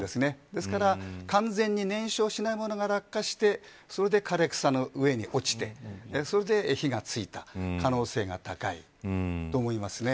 ですから完全に燃焼しないものが落下してそれで枯れ草の上に落ちてそれで火がついた可能性が高いと思いますね。